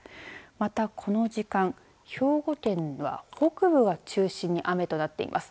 またこの時間、兵庫県の北部を中心に雨となっています。